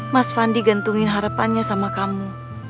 mas fandi gantungin harapannya sama kamu